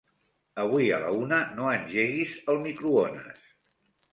Avui a la una no engeguis el microones.